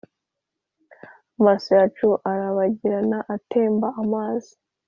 amaso yacu arabagirana atemba amazi